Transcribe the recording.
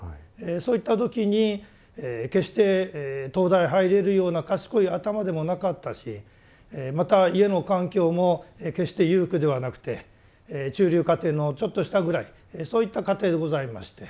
そういった時に決して東大入れるような賢い頭でもなかったしまた家の環境も決して裕福ではなくて中流家庭のちょっと下ぐらいそういった家庭でございまして。